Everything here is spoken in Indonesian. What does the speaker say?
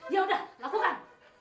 ya udah lakukan